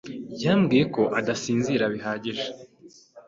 yambwiye ko adasinzira bihagije.